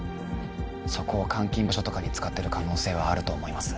そこを監禁場所とかに使ってる可能性はあると思います。